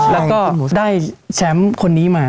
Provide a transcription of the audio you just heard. แล้วก็ได้แชมป์คนนี้มา